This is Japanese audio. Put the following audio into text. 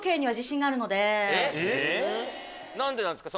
何でなんですか？